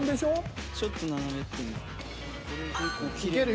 ちょっと斜めってんな。